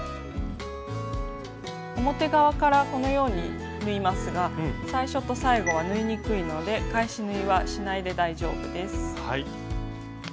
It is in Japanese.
表側からこのように縫いますが最初と最後は縫いにくいので返し縫いはしないで大丈夫です。